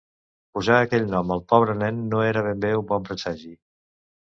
Posar aquell nom al pobre nen no era ben bé un bon presagi.